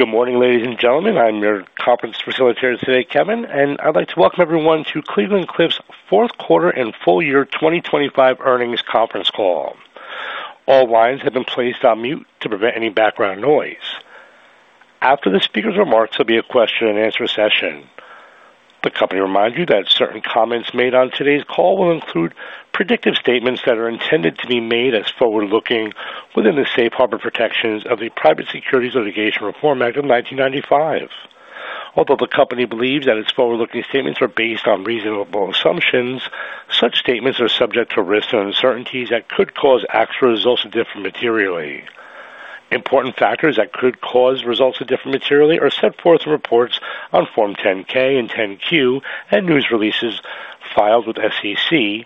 Good morning, ladies and gentlemen. I'm your conference facilitator today, Kevin, and I'd like to welcome everyone to Cleveland-Cliffs' fourth quarter and full-year 2025 earnings conference call. All lines have been placed on mute to prevent any background noise. After the speaker's remarks, there'll be a question-and-answer session. The company reminds you that certain comments made on today's call will include predictive statements that are intended to be made as forward-looking within the Safe Harbor protections of the Private Securities Litigation Reform Act of 1995. Although the company believes that its forward-looking statements are based on reasonable assumptions, such statements are subject to risks and uncertainties that could cause actual results to differ materially. Important factors that could cause results to differ materially are set forth in reports on Form 10-K and 10-Q and news releases filed with SEC,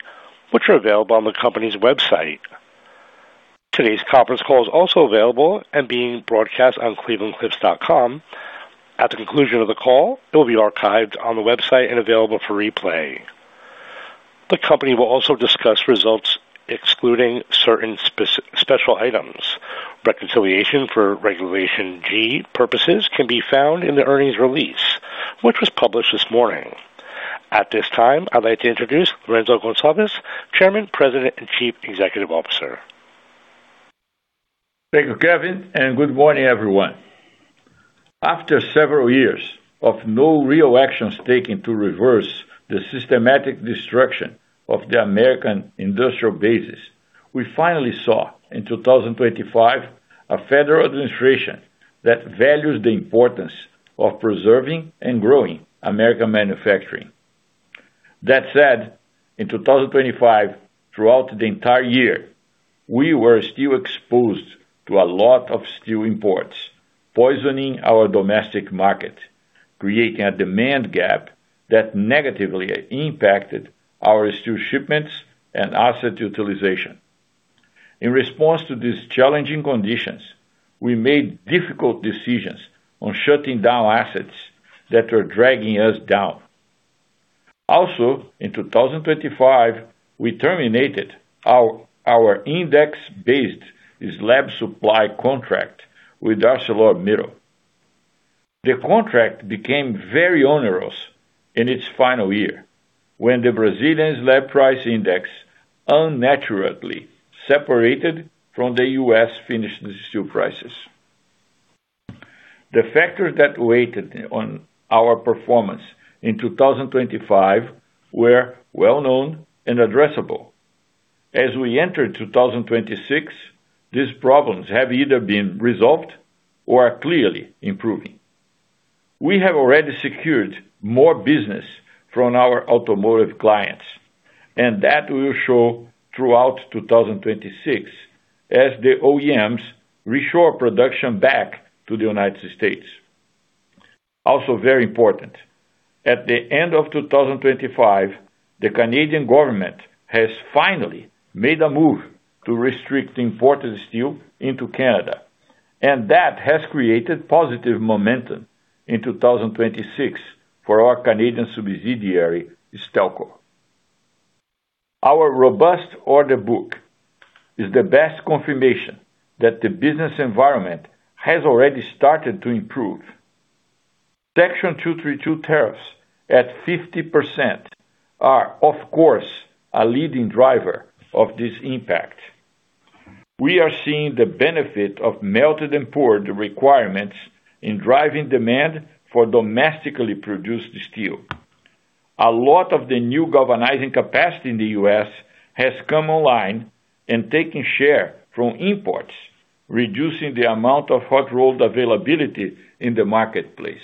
which are available on the company's website. Today's conference call is also available and being broadcast on clevelandcliffs.com. At the conclusion of the call, it will be archived on the website and available for replay. The company will also discuss results excluding certain specific items. Reconciliation for Regulation G purposes can be found in the earnings release, which was published this morning. At this time, I'd like to introduce Lourenco Goncalves, Chairman, President, and Chief Executive Officer. Thank you, Kevin, and good morning, everyone. After several years of no real actions taken to reverse the systematic destruction of the American industrial bases, we finally saw in 2025 a federal administration that values the importance of preserving and growing American manufacturing. That said, in 2025, throughout the entire year, we were still exposed to a lot of steel imports, poisoning our domestic market, creating a demand gap that negatively impacted our steel shipments and asset utilization. In response to these challenging conditions, we made difficult decisions on shutting down assets that were dragging us down. Also, in 2025, we terminated our index-based slab supply contract with ArcelorMittal. The contract became very onerous in its final year when the Brazilian slab price index unnaturally separated from the U.S. finished steel prices. The factors that weighed on our performance in 2025 were well-known and addressable. As we entered 2026, these problems have either been resolved or are clearly improving. We have already secured more business from our automotive clients, and that will show throughout 2026 as the OEMs reshore production back to the United States. Also, very important, at the end of 2025, the Canadian government has finally made a move to restrict imported steel into Canada, and that has created positive momentum in 2026 for our Canadian subsidiary Stelco. Our robust order book is the best confirmation that the business environment has already started to improve. Section 232 tariffs at 50% are, of course, a leading driver of this impact. We are seeing the benefit of melted and poured requirements in driving demand for domestically produced steel. A lot of the new galvanizing capacity in the U.S. has come online and taken share from imports, reducing the amount of hot-rolled availability in the marketplace.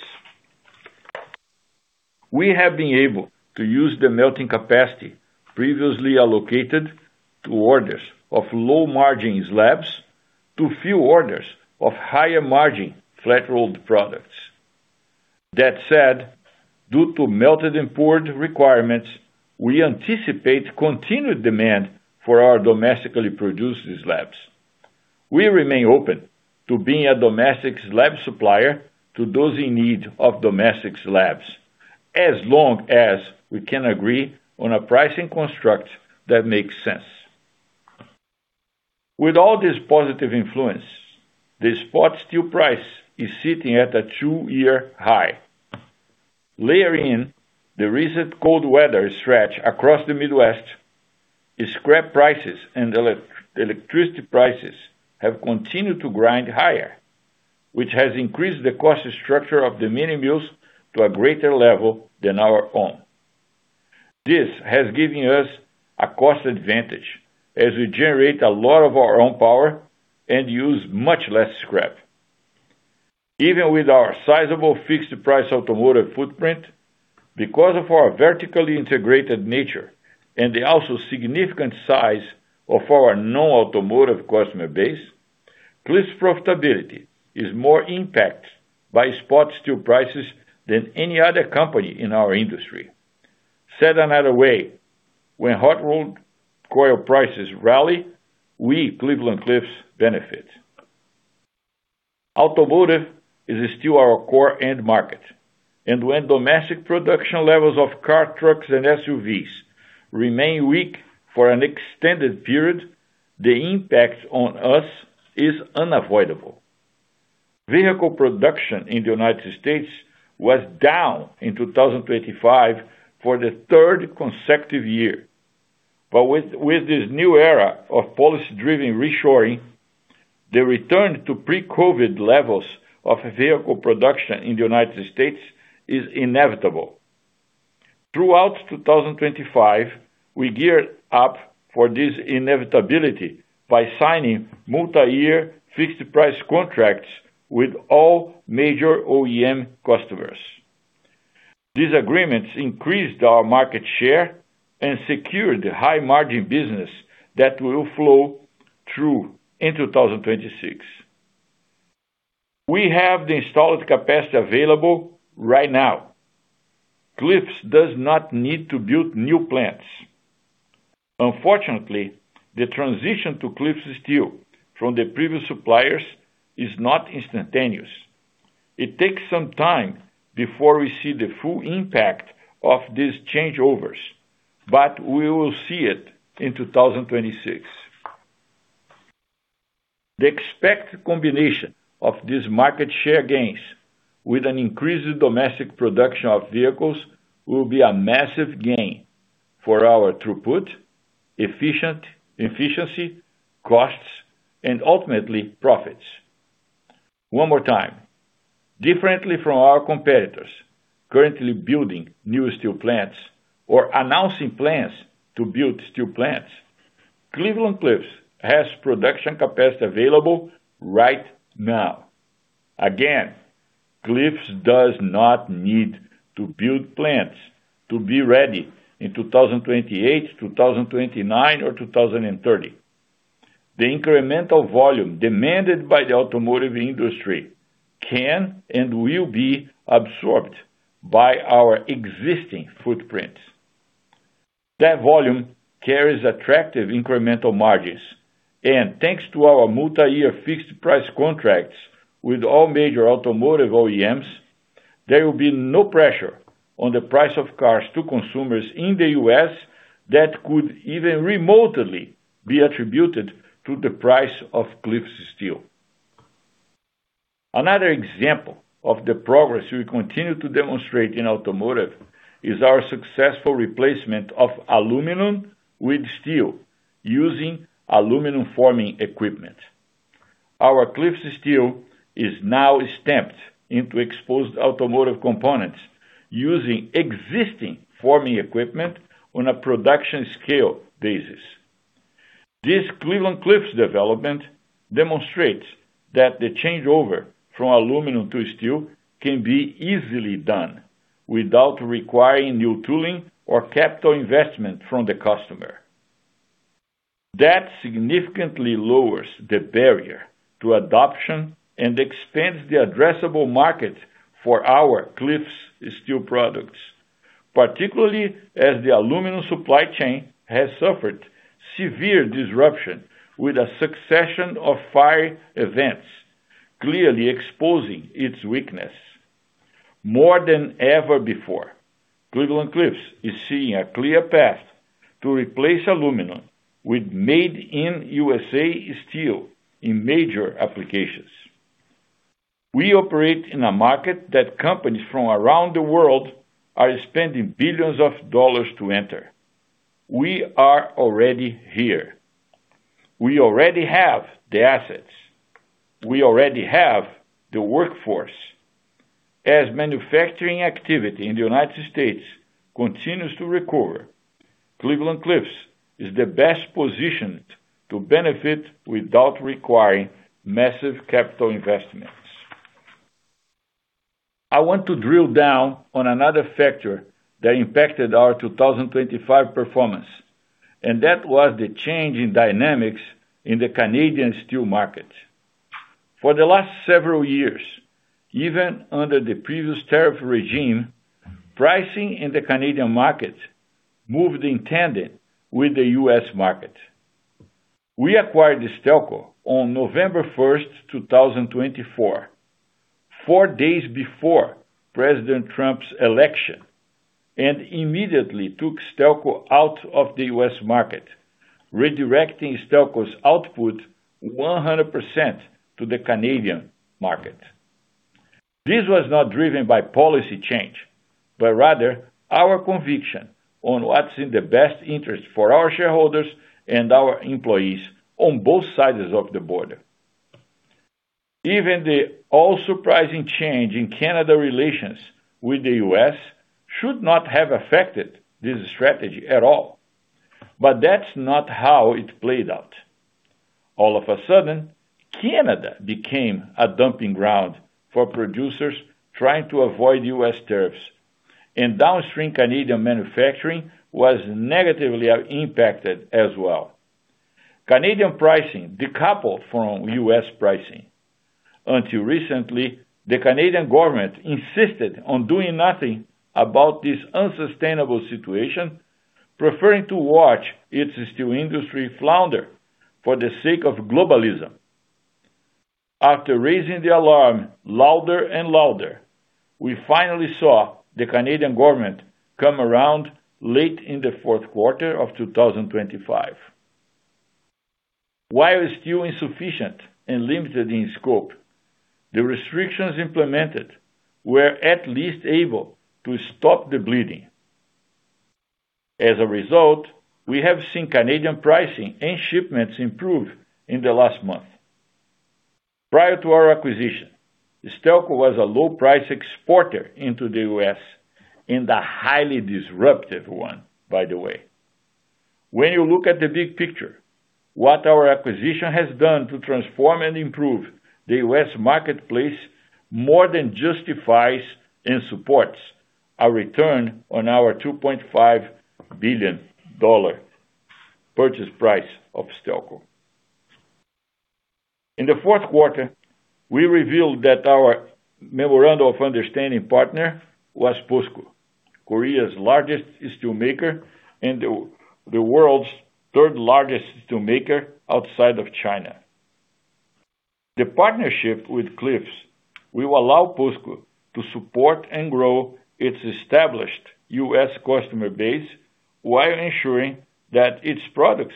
We have been able to use the melting capacity previously allocated to orders of low-margin slabs to fill orders of higher-margin flat-rolled products. That said, due to melted and poured requirements, we anticipate continued demand for our domestically produced slabs. We remain open to being a domestic slab supplier to those in need of domestic slabs as long as we can agree on a pricing construct that makes sense. With all this positive influence, the spot steel price is sitting at a two-year high. Layering in the recent cold weather stretch across the Midwest, scrap prices and electricity prices have continued to grind higher, which has increased the cost structure of the mini-mills to a greater level than our own. This has given us a cost advantage as we generate a lot of our own power and use much less scrap. Even with our sizable fixed-price automotive footprint, because of our vertically integrated nature and the also significant size of our non-automotive customer base, Cliffs' profitability is more impacted by spot steel prices than any other company in our industry. Said another way, when hot-rolled coil prices rally, we, Cleveland-Cliffs, benefit. Automotive is still our core end market, and when domestic production levels of car, trucks, and SUVs remain weak for an extended period, the impact on us is unavoidable. Vehicle production in the United States was down in 2025 for the third consecutive year, but with this new era of policy-driven reshoring, the return to pre-COVID levels of vehicle production in the United States is inevitable. Throughout 2025, we geared up for this inevitability by signing multi-year fixed-price contracts with all major OEM customers. These agreements increased our market share and secured high-margin business that will flow through in 2026. We have the installed capacity available right now. Cliffs does not need to build new plants. Unfortunately, the transition to Cliffs steel from the previous suppliers is not instantaneous. It takes some time before we see the full impact of these changeovers, but we will see it in 2026. The expected combination of these market share gains with an increased domestic production of vehicles will be a massive gain for our throughput, efficiency, costs, and ultimately profits. One more time, differently from our competitors currently building new steel plants or announcing plans to build steel plants, Cleveland-Cliffs has production capacity available right now. Again, Cliffs does not need to build plants to be ready in 2028, 2029, or 2030. The incremental volume demanded by the automotive industry can and will be absorbed by our existing footprint. That volume carries attractive incremental margins, and thanks to our multi-year fixed-price contracts with all major automotive OEMs, there will be no pressure on the price of cars to consumers in the U.S. that could even remotely be attributed to the price of Cliffs steel. Another example of the progress we continue to demonstrate in automotive is our successful replacement of aluminum with steel using aluminum forming equipment. Our Cliffs steel is now stamped into exposed automotive components using existing forming equipment on a production-scale basis. This Cleveland-Cliffs development demonstrates that the changeover from aluminum to steel can be easily done without requiring new tooling or capital investment from the customer. That significantly lowers the barrier to adoption and expands the addressable market for our Cliffs steel products, particularly as the aluminum supply chain has suffered severe disruption with a succession of fire events clearly exposing its weakness. More than ever before, Cleveland-Cliffs is seeing a clear path to replace aluminum with made-in-USA steel in major applications. We operate in a market that companies from around the world are spending billions of dollars to enter. We are already here. We already have the assets. We already have the workforce. As manufacturing activity in the United States continues to recover, Cleveland-Cliffs is the best positioned to benefit without requiring massive capital investments. I want to drill down on another factor that impacted our 2025 performance, and that was the change in dynamics in the Canadian steel market. For the last several years, even under the previous tariff regime, pricing in the Canadian market moved in tandem with the U.S. market. We acquired Stelco on November 1st, 2024, four days before President Trump's election, and immediately took Stelco out of the U.S. market, redirecting Stelco's output 100% to the Canadian market. This was not driven by policy change, but rather our conviction on what's in the best interest for our shareholders and our employees on both sides of the border. Even the all-surprising change in Canada relations with the U.S. should not have affected this strategy at all, but that's not how it played out. All of a sudden, Canada became a dumping ground for producers trying to avoid U.S. tariffs, and downstream Canadian manufacturing was negatively impacted as well. Canadian pricing decoupled from U.S. pricing. Until recently, the Canadian government insisted on doing nothing about this unsustainable situation, preferring to watch its steel industry flounder for the sake of globalism. After raising the alarm louder and louder, we finally saw the Canadian government come around late in the fourth quarter of 2025. While steel is insufficient and limited in scope, the restrictions implemented were at least able to stop the bleeding. As a result, we have seen Canadian pricing and shipments improve in the last month. Prior to our acquisition, Stelco was a low-price exporter into the U.S., and a highly disruptive one, by the way. When you look at the big picture, what our acquisition has done to transform and improve the U.S. marketplace more than justifies and supports a return on our $2.5 billion purchase price of Stelco. In the fourth quarter, we revealed that our Memorandum of Understanding partner was POSCO, Korea's largest steelmaker and the world's third-largest steelmaker outside of China. The partnership with Cliffs will allow POSCO to support and grow its established U.S. customer base while ensuring that its products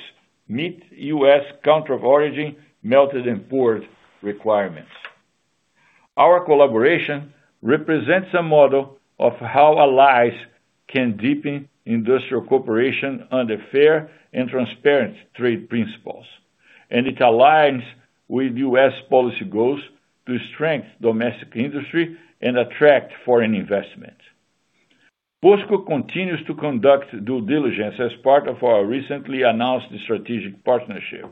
meet U.S. country-of-origin melted and poured requirements. Our collaboration represents a model of how allies can deepen industrial cooperation under fair and transparent trade principles, and it aligns with U.S. policy goals to strengthen the domestic industry and attract foreign investment. POSCO continues to conduct due diligence as part of our recently announced strategic partnership.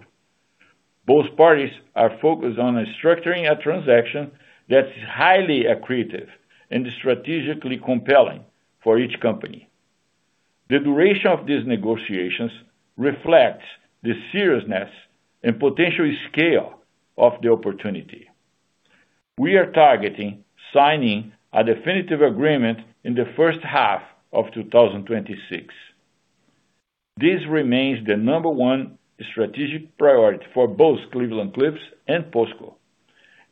Both parties are focused on structuring a transaction that is highly accretive and strategically compelling for each company. The duration of these negotiations reflects the seriousness and potential scale of the opportunity. We are targeting signing a definitive agreement in the first half of 2026. This remains the number one strategic priority for both Cleveland-Cliffs and POSCO,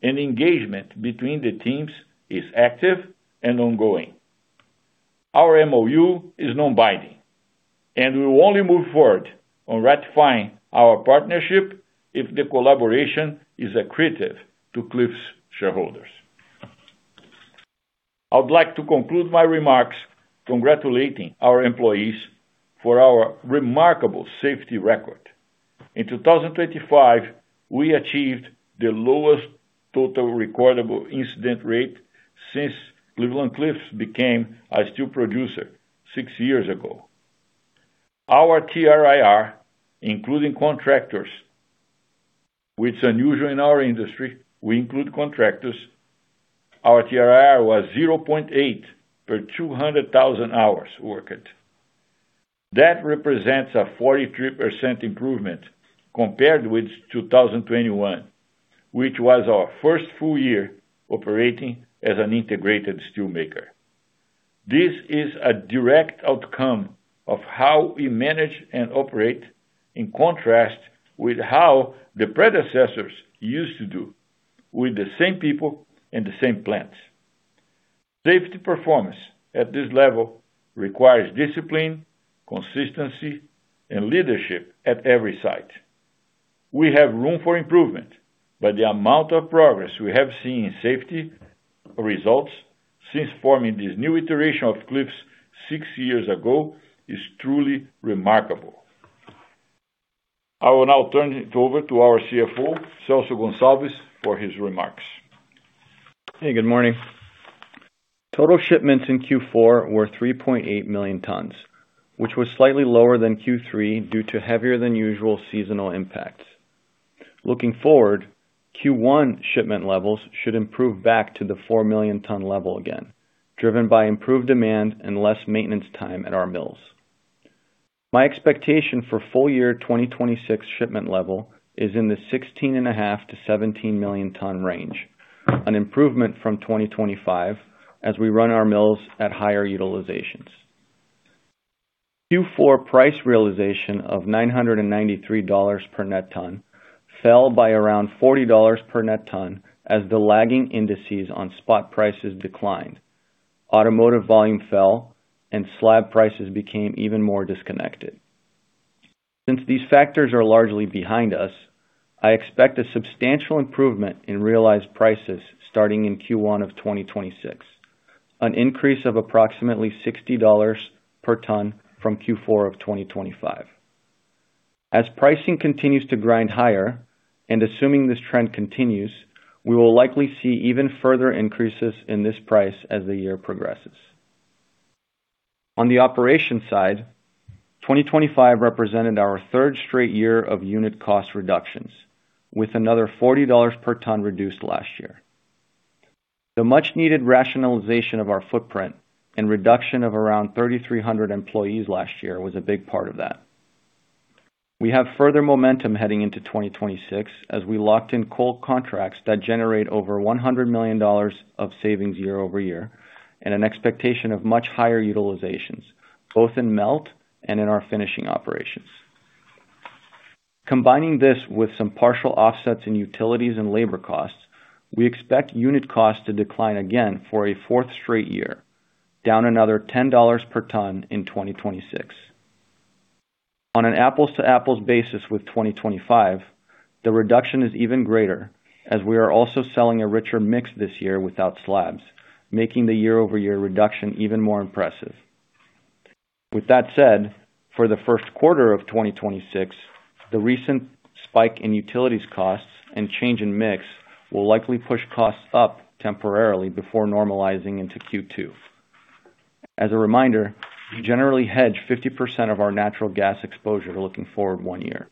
and engagement between the teams is active and ongoing. Our MOU is non-binding, and we will only move forward on ratifying our partnership if the collaboration is accretive to Cliffs' shareholders. I would like to conclude my remarks congratulating our employees for our remarkable safety record. In 2025, we achieved the lowest total recordable incident rate since Cleveland-Cliffs became a steel producer six years ago. Our TRIR, including contractors, which is unusual in our industry, we include contractors, our TRIR was 0.8 per 200,000 hours worked. That represents a 43% improvement compared with 2021, which was our first full year operating as an integrated steelmaker. This is a direct outcome of how we manage and operate in contrast with how the predecessors used to do with the same people and the same plants. Safety performance at this level requires discipline, consistency, and leadership at every site. We have room for improvement, but the amount of progress we have seen in safety results since forming this new iteration of Cliffs six years ago is truly remarkable. I will now turn it over to our CFO, Celso Goncalves, for his remarks. Hey, good morning. Total shipments in Q4 were 3.8 million tons, which was slightly lower than Q3 due to heavier-than-usual seasonal impacts. Looking forward, Q1 shipment levels should improve back to the 4 million ton level again, driven by improved demand and less maintenance time at our mills. My expectation for full-year 2026 shipment level is in the 16.5 million-17 million ton range, an improvement from 2025 as we run our mills at higher utilizations. Q4 price realization of $993 per net ton fell by around $40 per net ton as the lagging indices on spot prices declined, automotive volume fell, and slab prices became even more disconnected. Since these factors are largely behind us, I expect a substantial improvement in realized prices starting in Q1 of 2026, an increase of approximately $60 per ton from Q4 of 2025. As pricing continues to grind higher, and assuming this trend continues, we will likely see even further increases in this price as the year progresses. On the operations side, 2025 represented our third straight year of unit cost reductions, with another $40 per ton reduced last year. The much-needed rationalization of our footprint and reduction of around 3,300 employees last year was a big part of that. We have further momentum heading into 2026 as we locked in coal contracts that generate over $100 million of savings year-over-year and an expectation of much higher utilizations, both in melt and in our finishing operations. Combining this with some partial offsets in utilities and labor costs, we expect unit costs to decline again for a fourth straight year, down another $10 per ton in 2026. On an apples-to-apples basis with 2025, the reduction is even greater as we are also selling a richer mix this year without slabs, making the year-over-year reduction even more impressive. With that said, for the first quarter of 2026, the recent spike in utilities costs and change in mix will likely push costs up temporarily before normalizing into Q2. As a reminder, we generally hedge 50% of our natural gas exposure looking forward one year.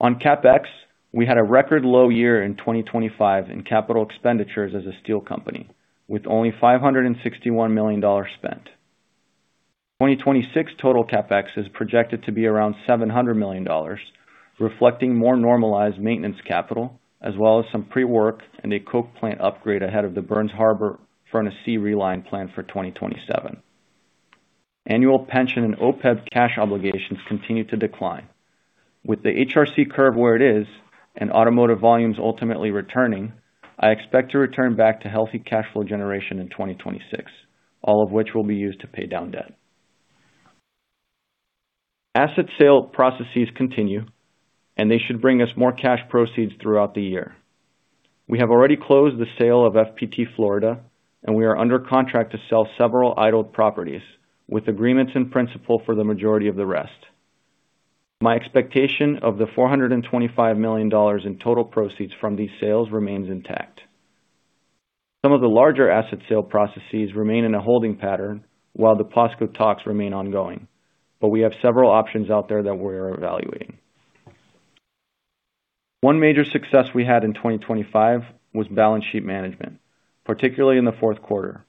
On CapEx, we had a record low year in 2025 in capital expenditures as a steel company, with only $561 million spent. 2026 total CapEx is projected to be around $700 million, reflecting more normalized maintenance capital as well as some pre-work and a coke plant upgrade ahead of the Burns Harbor furnace C reline plant for 2027. Annual pension and OPEB cash obligations continue to decline. With the HRC curve where it is and automotive volumes ultimately returning, I expect to return back to healthy cash flow generation in 2026, all of which will be used to pay down debt. Asset sale processes continue, and they should bring us more cash proceeds throughout the year. We have already closed the sale of FPT Florida, and we are under contract to sell several idled properties, with agreements in principle for the majority of the rest. My expectation of the $425 million in total proceeds from these sales remains intact. Some of the larger asset sale processes remain in a holding pattern while the POSCO talks remain ongoing, but we have several options out there that we are evaluating. One major success we had in 2025 was balance sheet management, particularly in the fourth quarter.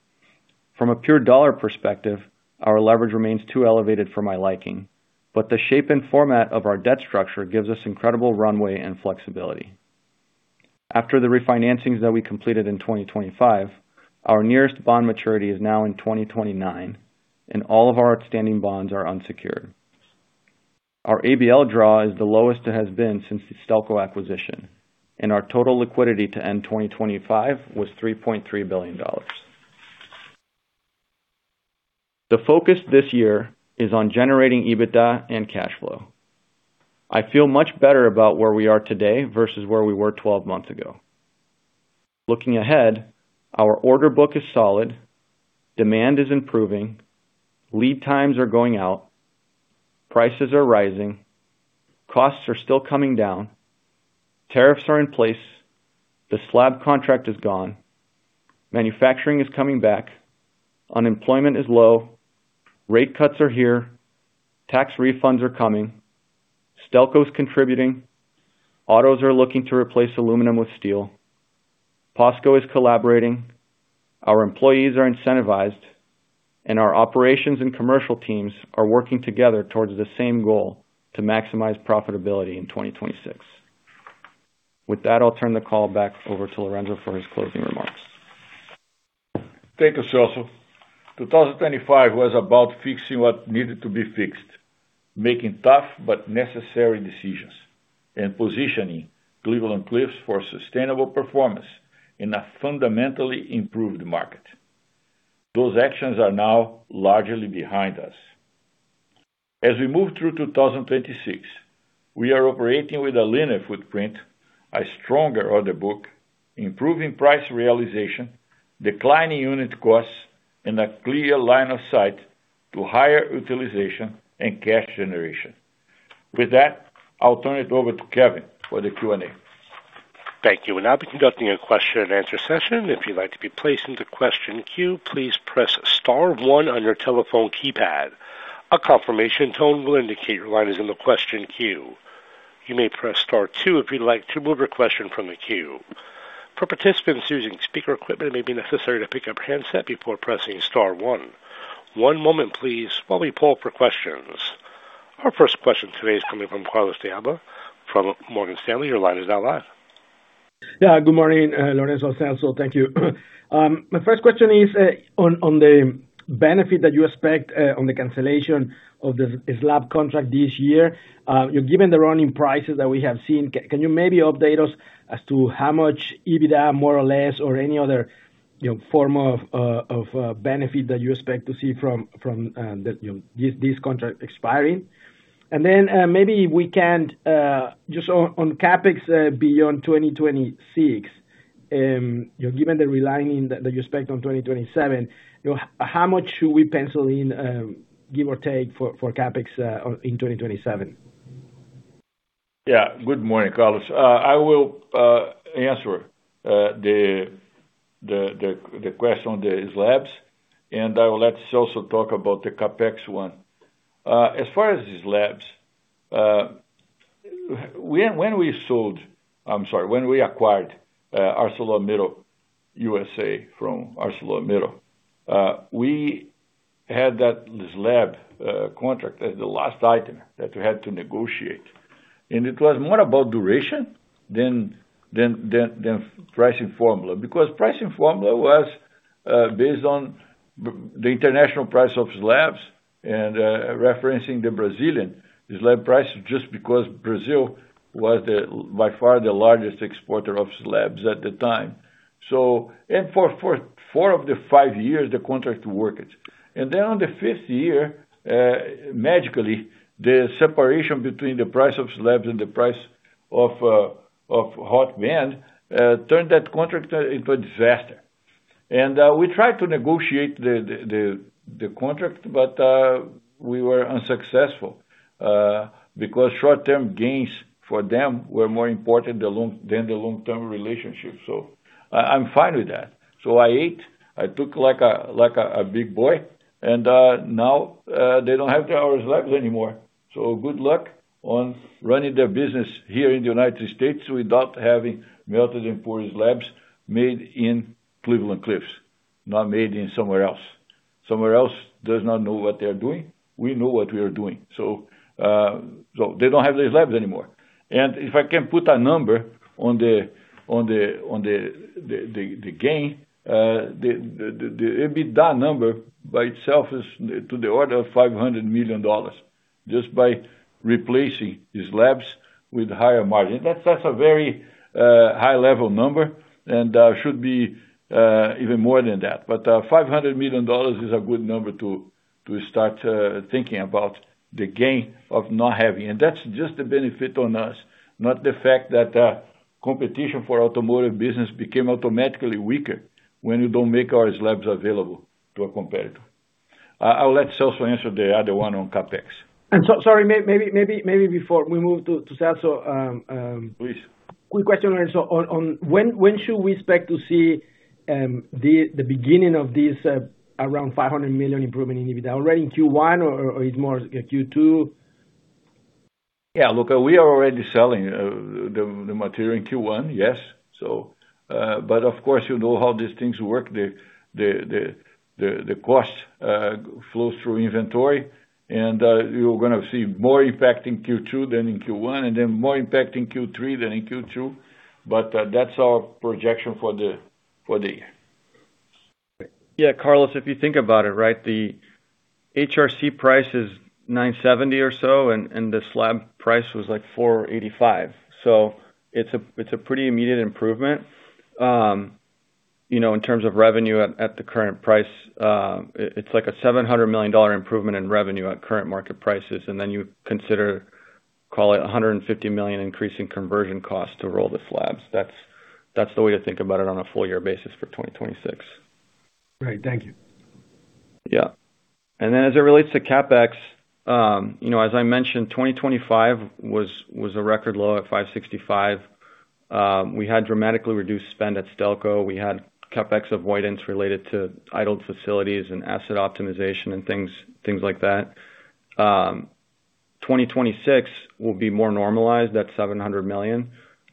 From a pure dollar perspective, our leverage remains too elevated for my liking, but the shape and format of our debt structure gives us incredible runway and flexibility. After the refinancings that we completed in 2025, our nearest bond maturity is now in 2029, and all of our outstanding bonds are unsecured. Our ABL draw is the lowest it has been since the Stelco acquisition, and our total liquidity to end 2025 was $3.3 billion. The focus this year is on generating EBITDA and cash flow. I feel much better about where we are today versus where we were 12 months ago. Looking ahead, our order book is solid, demand is improving, lead times are going out, prices are rising, costs are still coming down, tariffs are in place, the slab contract is gone, manufacturing is coming back, unemployment is low, rate cuts are here, tax refunds are coming, Stelco's contributing, autos are looking to replace aluminum with steel, POSCO is collaborating, our employees are incentivized, and our operations and commercial teams are working together towards the same goal to maximize profitability in 2026. With that, I'll turn the call back over to Lourenco for his closing remarks. Thank you, Celso. 2025 was about fixing what needed to be fixed, making tough but necessary decisions, and positioning Cleveland-Cliffs for sustainable performance in a fundamentally improved market. Those actions are now largely behind us. As we move through 2026, we are operating with a leaner footprint, a stronger order book, improving price realization, declining unit costs, and a clear line of sight to higher utilization and cash generation. With that, I'll turn it over to Kevin for the Q&A. Thank you. We're now conducting a question-and-answer session. If you'd like to be placed into question queue, please press star one on your telephone keypad. A confirmation tone will indicate your line is in the question queue. You may press star two if you'd like to move your question from the queue. For participants using speaker equipment, it may be necessary to pick up a handset before pressing star one. One moment, please, while we pull up our questions. Our first question today is coming from Carlos de Alba, from Morgan Stanley. Your line is now live. Yeah, good morning, Lourenco, Celso. Thank you. My first question is on the benefit that you expect on the cancellation of the slab contract this year. Given the running prices that we have seen, can you maybe update us as to how much EBITDA, more or less, or any other form of benefit that you expect to see from this contract expiring? And then maybe we can just on CapEx beyond 2026, given the relining that you expect on 2027, how much should we pencil in, give or take, for CapEx in 2027? Yeah, good morning, Carlos. I will answer the question on the slabs, and I will let Celso talk about the CapEx one. As far as the slabs, when we sold—I'm sorry, when we acquired ArcelorMittal USA from ArcelorMittal, we had that slab contract as the last item that we had to negotiate. And it was more about duration than pricing formula because pricing formula was based on the international price of slabs and referencing the Brazilian slab prices just because Brazil was by far the largest exporter of slabs at the time. And for four of the five years, the contract worked it. And then on the fifth year, magically, the separation between the price of slabs and the price of hot band turned that contract into a disaster. We tried to negotiate the contract, but we were unsuccessful because short-term gains for them were more important than the long-term relationship. I'm fine with that. I ate. I took it like a big boy, and now they don't have our slabs anymore. Good luck on running the business here in the United States without having melted and poured slabs made in Cleveland-Cliffs, not made in somewhere else. Somewhere else does not know what they're doing. We know what we are doing. They don't have the slabs anymore. If I can put a number on the gain, the EBITDA number by itself is to the order of $500 million just by replacing the slabs with higher margin. That's a very high-level number and should be even more than that. $500 million is a good number to start thinking about the gain of not having. That's just the benefit on us, not the fact that competition for automotive business became automatically weaker when you don't make our slabs available to a competitor. I'll let Celso answer the other one on CapEx. Sorry, maybe before we move to Celso. Please. Quick question, Lourenco. When should we expect to see the beginning of this around $500 million improvement in EBITDA, already in Q1 or is it more Q2? Yeah, look, we are already selling the material in Q1, yes. But of course, you know how these things work. The cost flows through inventory, and you're going to see more impact in Q2 than in Q1 and then more impact in Q3 than in Q2. But that's our projection for the year. Yeah, Carlos, if you think about it, right, the HRC price is $970 or so, and the slab price was like $485. So it's a pretty immediate improvement in terms of revenue at the current price. It's like a $700 million improvement in revenue at current market prices. And then you consider, call it, $150 million increase in conversion costs to roll the slabs. That's the way to think about it on a full-year basis for 2026. Great. Thank you. Yeah. And then as it relates to CapEx, as I mentioned, 2025 was a record low at $565 million. We had dramatically reduced spend at Stelco. We had CapEx avoidance related to idled facilities and asset optimization and things like that. 2026 will be more normalized, that $700 million.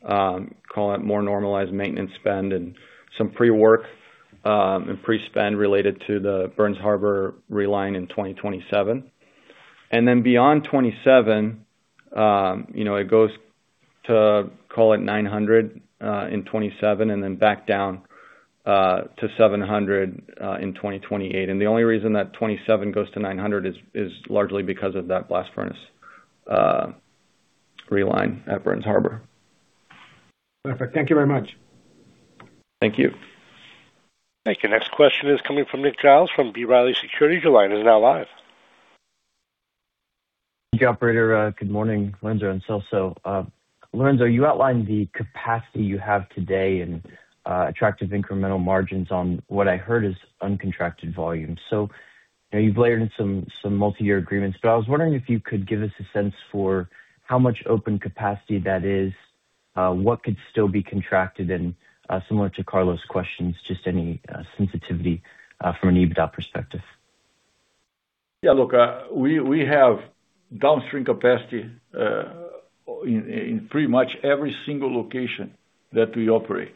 Call it more normalized maintenance spend and some pre-work and pre-spend related to the Burns Harbor reline in 2027. And then beyond 2027, it goes to, call it, $900 million in 2027 and then back down to $700 million in 2028. And the only reason that 2027 goes to $900 million is largely because of that blast furnace reline at Burns Harbor. Perfect. Thank you very much. Thank you. Thank you. Next question is coming from Nick Giles from B. Riley Securities. Your line is now live. Thank you, operator. Good morning, Lourenco and Celso. Lourenco, you outlined the capacity you have today and attractive incremental margins on what I heard is uncontracted volume. So you've layered in some multi-year agreements, but I was wondering if you could give us a sense for how much open capacity that is, what could still be contracted, and similar to Carlos' questions, just any sensitivity from an EBITDA perspective. Yeah, look, we have downstream capacity in pretty much every single location that we operate.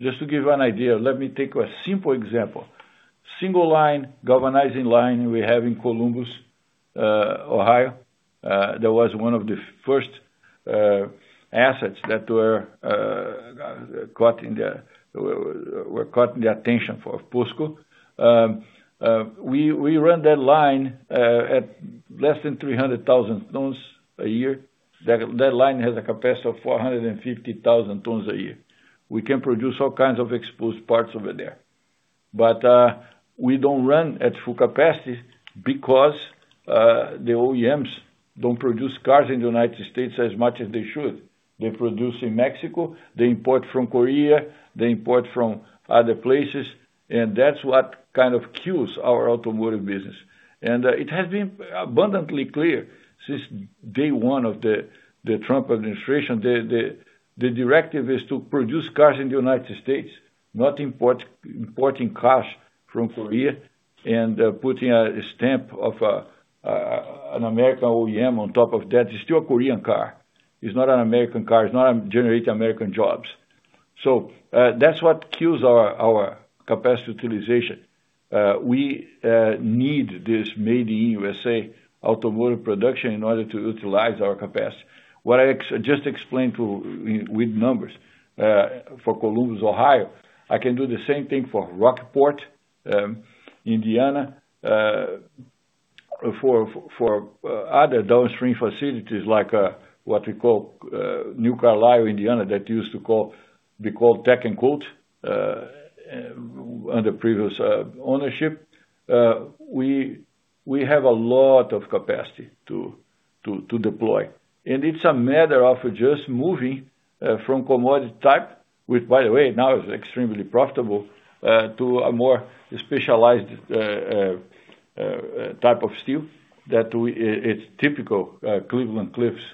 Just to give you an idea, let me take a simple example. Single line, galvanizing line we have in Columbus, Ohio. That was one of the first assets that were caught in the attention of POSCO. We run that line at less than 300,000 tons a year. That line has a capacity of 450,000 tons a year. We can produce all kinds of exposed parts over there. But we don't run at full capacity because the OEMs don't produce cars in the United States as much as they should. They produce in Mexico. They import from Korea. They import from other places. And that's what kind of kills our automotive business. And it has been abundantly clear since day one of the Trump administration. The directive is to produce cars in the United States, not importing cars from Korea and putting a stamp of an American OEM on top of that. It's still a Korean car. It's not an American car. It's not generating American jobs. That's what kills our capacity utilization. We need this made-in-USA automotive production in order to utilize our capacity. What I just explained with numbers for Columbus, Ohio, I can do the same thing for Rockport, Indiana. For other downstream facilities like what we call New Carlisle, Indiana, that used to be called Tek and Kote under previous ownership, we have a lot of capacity to deploy. It's a matter of just moving from commodity type which, by the way, now is extremely profitable to a more specialized type of steel that it's typical Cleveland-Cliffs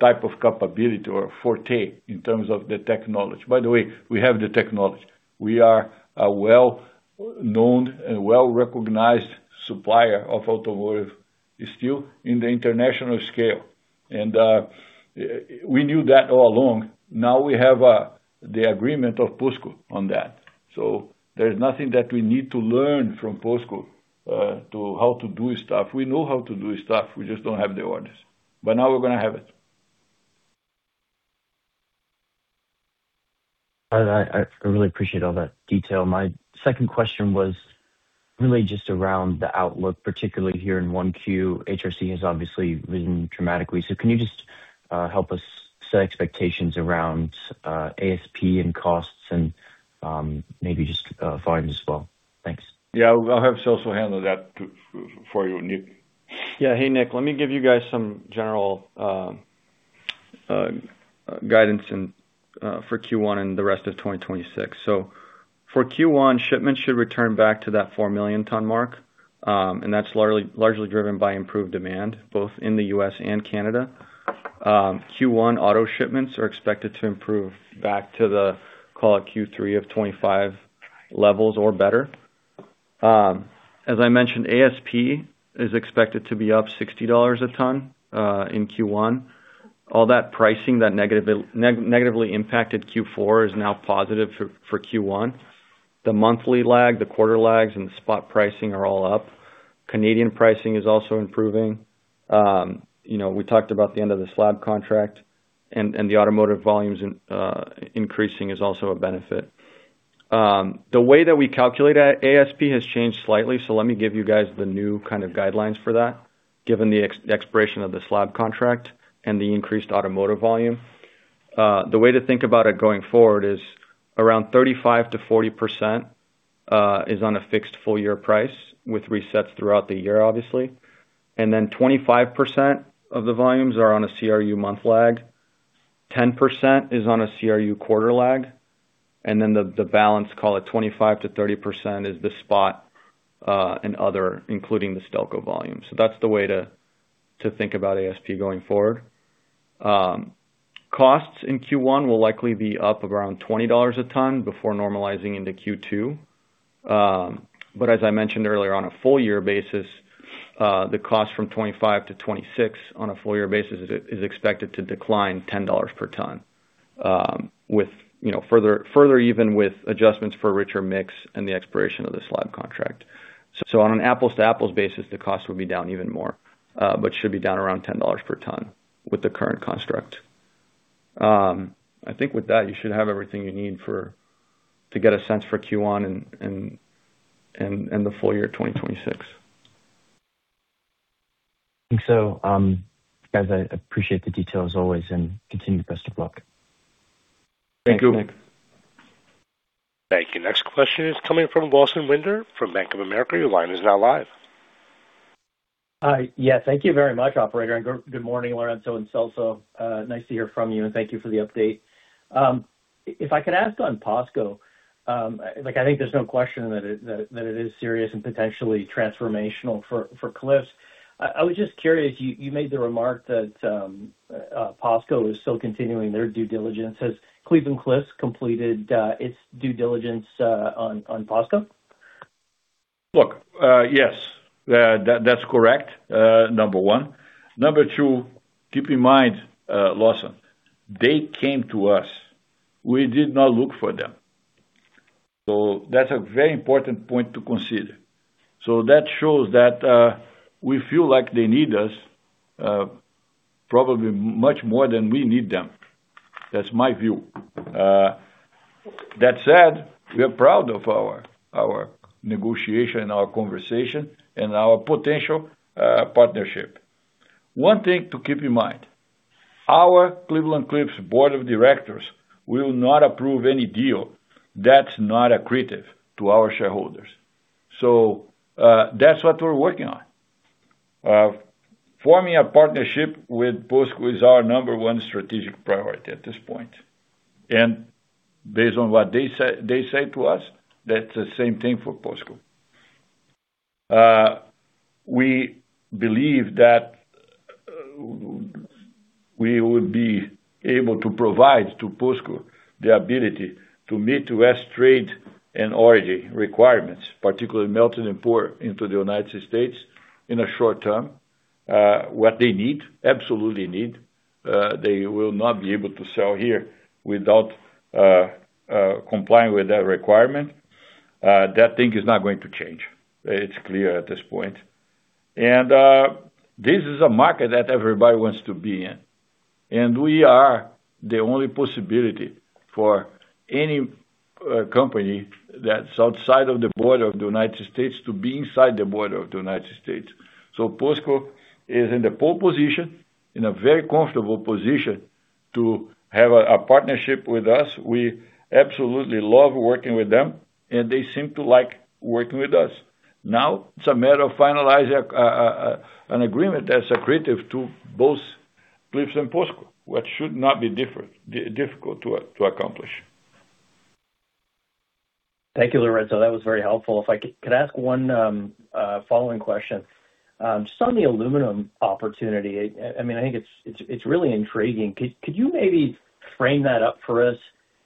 type of capability or forte in terms of the technology. By the way, we have the technology. We are a well-known and well-recognized supplier of automotive steel in the international scale. We knew that all along. Now we have the agreement of POSCO on that. There's nothing that we need to learn from POSCO how to do stuff. We know how to do stuff. We just don't have the orders. But now we're going to have it. I really appreciate all that detail. My second question was really just around the outlook, particularly here in 1Q. HRC has obviously risen dramatically. So can you just help us set expectations around ASP and costs and maybe just volumes as well? Thanks. Yeah, I'll have Celso handle that for you, Nick. Yeah, hey, Nick. Let me give you guys some general guidance for Q1 and the rest of 2026. So for Q1, shipments should return back to that 4 million-ton mark. And that's largely driven by improved demand, both in the U.S. and Canada. Q1 auto shipments are expected to improve back to the, call it, Q3 of 2025 levels or better. As I mentioned, ASP is expected to be up $60 a ton in Q1. All that pricing, that negatively impacted Q4, is now positive for Q1. The monthly lag, the quarter lags, and the spot pricing are all up. Canadian pricing is also improving. We talked about the end of the slab contract, and the automotive volumes increasing is also a benefit. The way that we calculate ASP has changed slightly, so let me give you guys the new kind of guidelines for that, given the expiration of the slab contract and the increased automotive volume. The way to think about it going forward is around 35%-40% is on a fixed full-year price with resets throughout the year, obviously. And then 25% of the volumes are on a CRU month lag. 10% is on a CRU quarter lag. And then the balance, call it 25%-30%, is the spot and other, including the Stelco volume. So that's the way to think about ASP going forward. Costs in Q1 will likely be up around $20 a ton before normalizing into Q2. But as I mentioned earlier, on a full-year basis, the cost from 2025 to 2026 on a full-year basis is expected to decline $10 per ton, further even with adjustments for a richer mix and the expiration of the slab contract. So on an apples-to-apples basis, the cost would be down even more but should be down around $10 per ton with the current construct. I think with that, you should have everything you need to get a sense for Q1 and the full year 2026. Thanks, guys. I appreciate the detail as always, and continue the best of luck. Thank you. Thanks. Thank you. Next question is coming from Lawson Winder from Bank of America. Your line is now live. Yes, thank you very much, operator. And good morning, Lourenco and Celso. Nice to hear from you, and thank you for the update. If I could ask on POSCO, I think there's no question that it is serious and potentially transformational for Cliffs. I was just curious. You made the remark that POSCO is still continuing their due diligence. Has Cleveland-Cliffs completed its due diligence on POSCO? Look, yes, that's correct, number one. Number two, keep in mind, Lawson, they came to us. We did not look for them. So that's a very important point to consider. So that shows that we feel like they need us probably much more than we need them. That's my view. That said, we are proud of our negotiation and our conversation and our potential partnership. One thing to keep in mind, our Cleveland-Cliffs board of directors will not approve any deal that's not accretive to our shareholders. So that's what we're working on. Forming a partnership with POSCO is our number one strategic priority at this point. And based on what they say to us, that's the same thing for POSCO. We believe that we would be able to provide to POSCO the ability to meet U.S. trade and origin requirements, particularly melted and poured into the United States in a short term, what they need, absolutely need. They will not be able to sell here without complying with that requirement. That thing is not going to change. It's clear at this point. This is a market that everybody wants to be in. We are the only possibility for any company that's outside of the border of the United States to be inside the border of the United States. So POSCO is in the pole position, in a very comfortable position to have a partnership with us. We absolutely love working with them, and they seem to like working with us. Now, it's a matter of finalizing an agreement that's accretive to both Cliffs and POSCO, which should not be difficult to accomplish. Thank you, Lourenco. That was very helpful. If I could ask one following question, just on the aluminum opportunity, I mean, I think it's really intriguing. Could you maybe frame that up for us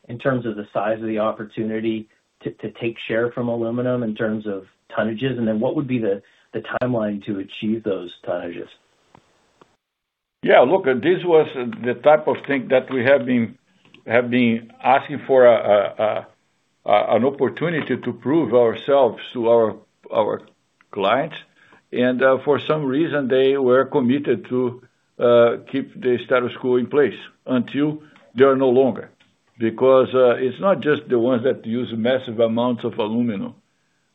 in terms of the size of the opportunity to take share from aluminum in terms of tonnages, and then what would be the timeline to achieve those tonnages? Yeah, look, this was the type of thing that we have been asking for an opportunity to prove ourselves to our clients. And for some reason, they were committed to keep the status quo in place until they are no longer because it's not just the ones that use massive amounts of aluminum.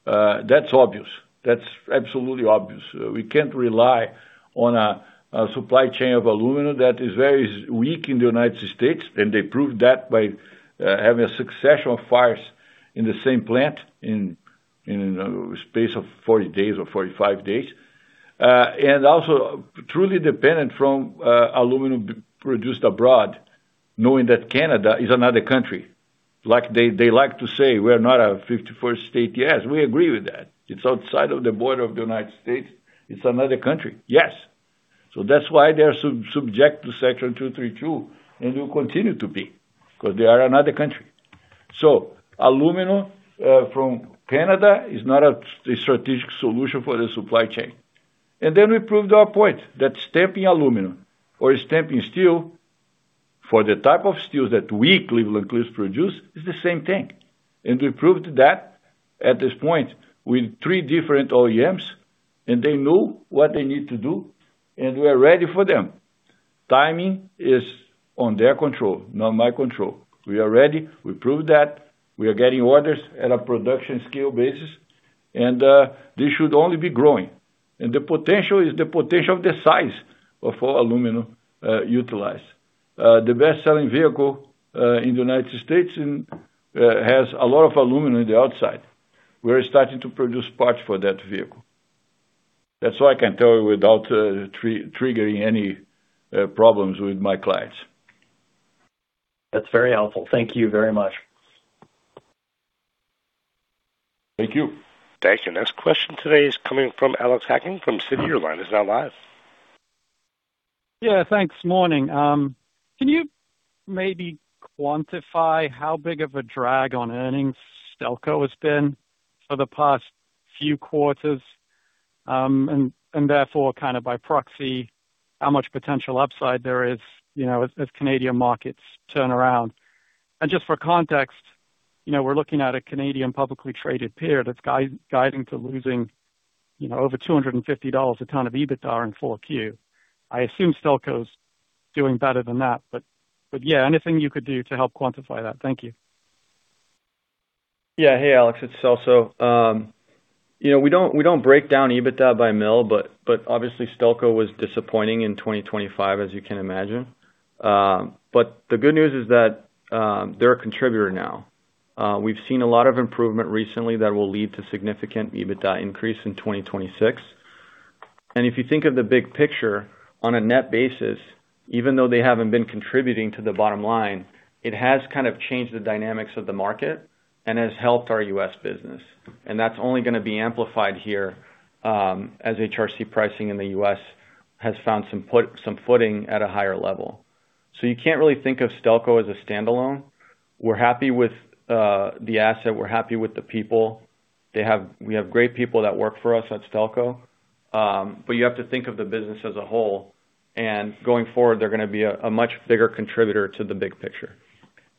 That's obvious. That's absolutely obvious. We can't rely on a supply chain of aluminum that is very weak in the United States. And they proved that by having a succession of fires in the same plant in a space of 40 days or 45 days. And also truly dependent from aluminum produced abroad, knowing that Canada is another country. Like they like to say, "We are not a 51st state." Yes, we agree with that. It's outside of the border of the United States. It's another country. Yes. So that's why they are subject to Section 232 and will continue to be because they are another country. So aluminum from Canada is not a strategic solution for the supply chain. And then we proved our point that stamping aluminum or stamping steel for the type of steels that we Cleveland-Cliffs produce is the same thing. And we proved that at this point with three different OEMs, and they knew what they need to do, and we are ready for them. Timing is on their control, not my control. We are ready. We proved that. We are getting orders at a production scale basis, and this should only be growing. And the potential is the potential of the size of aluminum utilized. The best-selling vehicle in the United States has a lot of aluminum in the outside. We are starting to produce parts for that vehicle. That's all I can tell you without triggering any problems with my clients. That's very helpful. Thank you very much. Thank you. Thank you. Next question today is coming from Alex Hacking from Citi. Your line is now live. Yeah, thanks. Morning. Can you maybe quantify how big of a drag on earnings Stelco has been for the past few quarters and therefore, kind of by proxy, how much potential upside there is as Canadian markets turn around? And just for context, we're looking at a Canadian publicly traded peer that's guiding to losing over $250 a ton of EBITDA in 4Q. I assume Stelco is doing better than that. But yeah, anything you could do to help quantify that. Thank you. Yeah, hey, Alex. It's Celso. We don't break down EBITDA by mill, but obviously, Stelco was disappointing in 2025, as you can imagine. But the good news is that they're a contributor now. We've seen a lot of improvement recently that will lead to significant EBITDA increase in 2026. And if you think of the big picture, on a net basis, even though they haven't been contributing to the bottom line, it has kind of changed the dynamics of the market and has helped our U.S. business. And that's only going to be amplified here as HRC pricing in the U.S. has found some footing at a higher level. So you can't really think of Stelco as a standalone. We're happy with the asset. We're happy with the people. We have great people that work for us at Stelco. But you have to think of the business as a whole. And going forward, they're going to be a much bigger contributor to the big picture.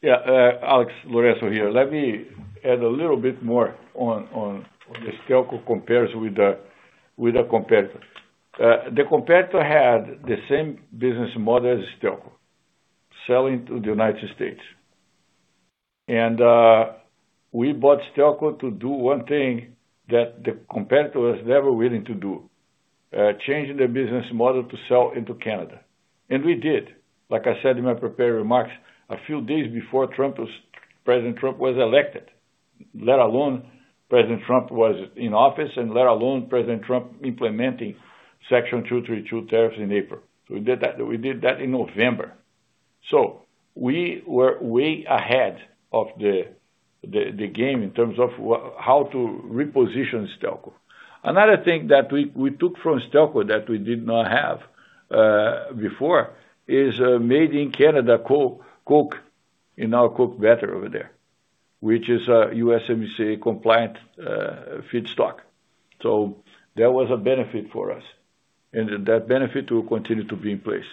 Yeah, Alex. Lourenco here. Let me add a little bit more on how Stelco compares with the competitor. The competitor had the same business model as Stelco, selling to the United States. We bought Stelco to do one thing that the competitor was never willing to do, changing the business model to sell into Canada. And we did. Like I said in my prepared remarks a few days before President Trump was elected, let alone President Trump was in office and let alone President Trump implementing Section 232 tariffs in April. So we did that in November. So we were way ahead of the game in terms of how to reposition Stelco. Another thing that we took from Stelco that we did not have before is made-in-Canada coke and now, coke battery over there, which is a USMCA-compliant feedstock. So that was a benefit for us. That benefit will continue to be in place.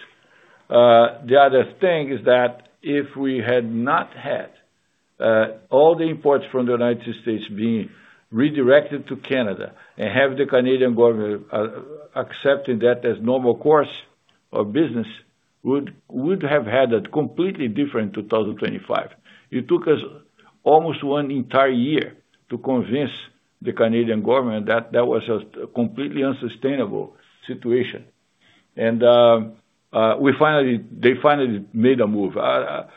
The other thing is that if we had not had all the imports from the United States being redirected to Canada and have the Canadian government accepting that as normal course of business, we would have had a completely different 2025. It took us almost one entire year to convince the Canadian government that that was a completely unsustainable situation. They finally made a move, a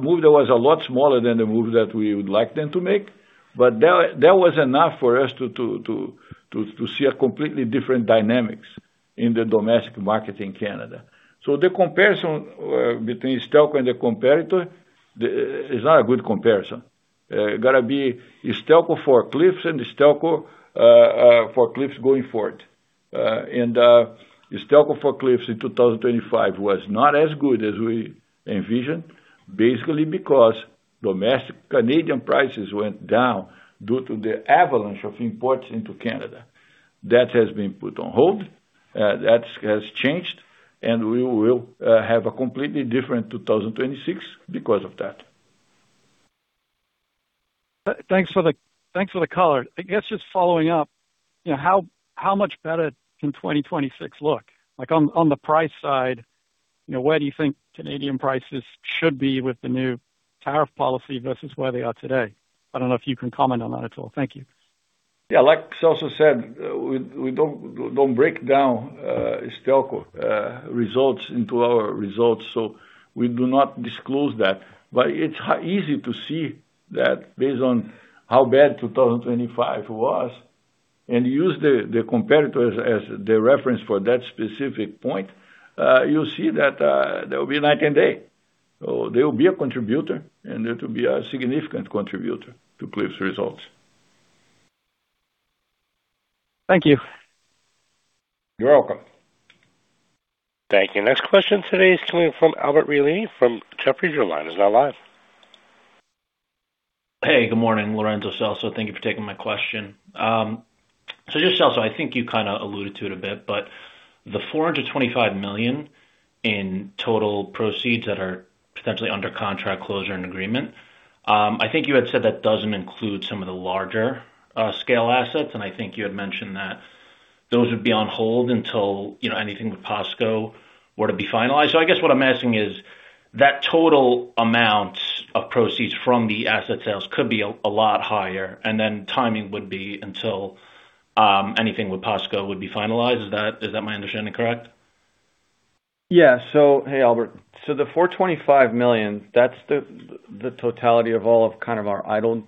move that was a lot smaller than the move that we would like them to make. That was enough for us to see a completely different dynamics in the domestic market in Canada. The comparison between Stelco and the competitor is not a good comparison. It got to be Stelco for Cliffs and Stelco for Cliffs going forward. Stelco for Cliffs in 2025 was not as good as we envisioned, basically because domestic Canadian prices went down due to the avalanche of imports into Canada. That has been put on hold. That has changed. We will have a completely different 2026 because of that. Thanks for the color. I guess just following up, how much better can 2026 look? On the price side, where do you think Canadian prices should be with the new tariff policy versus where they are today? I don't know if you can comment on that at all. Thank you. Yeah, like Celso said, we don't break down Stelco results into our results. So we do not disclose that. But it's easy to see that based on how bad 2025 was and use the competitor as the reference for that specific point, you'll see that there will be night and day. So they will be a contributor, and they're to be a significant contributor to Cliffs' results. Thank you. You're welcome. Thank you. Next question today is coming from Albert Realini from Jefferies. Your line is now live. Hey, good morning, Lourenco, Celso. Thank you for taking my question. So just Celso, I think you kind of alluded to it a bit, but the $425 million in total proceeds that are potentially under contract closure and agreement, I think you had said that doesn't include some of the larger scale assets. And I think you had mentioned that those would be on hold until anything with POSCO were to be finalized. So I guess what I'm asking is that total amount of proceeds from the asset sales could be a lot higher, and then timing would be until anything with POSCO would be finalized. Is that my understanding correct? Yeah. So hey, Albert. So the $425 million, that's the totality of all of kind of our idle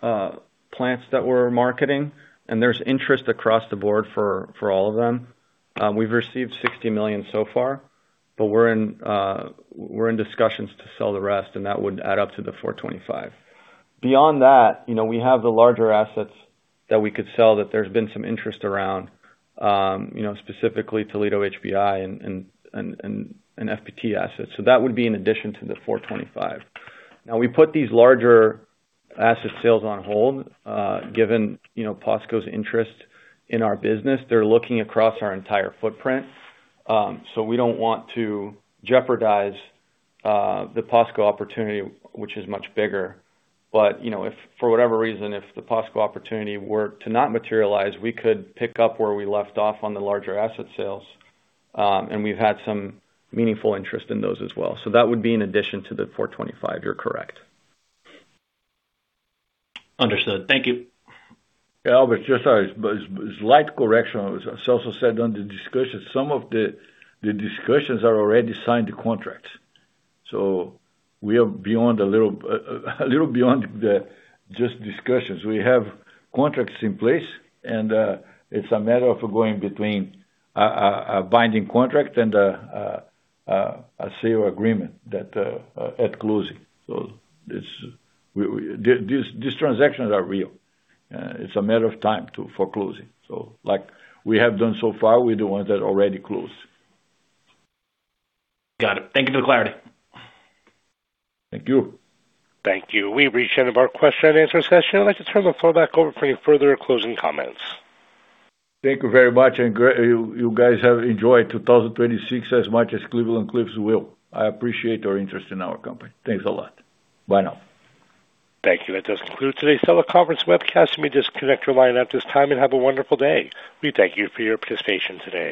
plants that we're marketing. And there's interest across the board for all of them. We've received $60 million so far, but we're in discussions to sell the rest, and that would add up to the $425 million. Beyond that, we have the larger assets that we could sell that there's been some interest around, specifically Toledo HBI and FPT assets. So that would be in addition to the $425 million. Now, we put these larger asset sales on hold given POSCO's interest in our business. They're looking across our entire footprint. So we don't want to jeopardize the POSCO opportunity, which is much bigger. But for whatever reason, if the POSCO opportunity were to not materialize, we could pick up where we left off on the larger asset sales. We've had some meaningful interest in those as well. That would be in addition to the $425. You're correct. Understood. Thank you. Yeah, Albert, just a slight correction. Celso said on the discussions, some of the discussions are already signed contracts. So we are beyond a little beyond just discussions. We have contracts in place, and it's a matter of going between a binding contract and a sale agreement at closing. So these transactions are real. It's a matter of time for closing. So like we have done so far, we're the ones that already closed. Got it. Thank you for the clarity. Thank you. Thank you. We've reached the end of our question and answer session. I'd like to turn the floor back over for any further closing comments. Thank you very much. You guys have enjoyed 2026 as much as Cleveland-Cliffs will. I appreciate your interest in our company. Thanks a lot. Bye now. Thank you. That does conclude today's teleconference webcast. You may disconnect your line at this time and have a wonderful day. We thank you for your participation today.